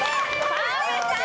澤部さん！